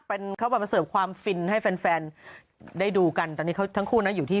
เป็นเขาแบบมาเสิร์ฟความฟินให้แฟนแฟนได้ดูกันตอนนี้เขาทั้งคู่นะอยู่ที่